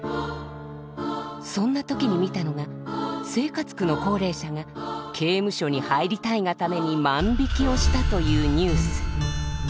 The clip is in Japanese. そんな時に見たのが生活苦の高齢者が刑務所に入りたいがために万引きをしたというニュース。